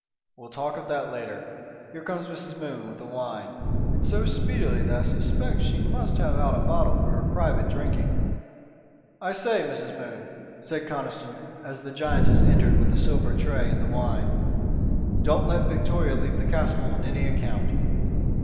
"We'll talk of that later. Here comes Mrs. Moon with the wine, and so speedily that I suspect she must have out a bottle for her private drinking. I say, Mrs. Moon," said Conniston, as the giantess entered with a silver tray and the wine, "don't let Victoria leave the castle on any account."